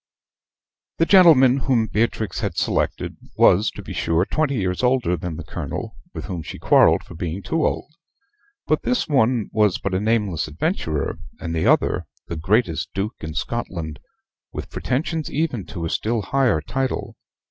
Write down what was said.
The gentleman whom Beatrix had selected was, to be sure, twenty years older than the Colonel, with whom she quarrelled for being too old; but this one was but a nameless adventurer, and the other the greatest duke in Scotland, with pretensions even to a still higher title.